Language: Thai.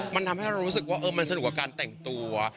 มันทำให้เรารู้สึกว่ามันสนุกกับการแต่งตัว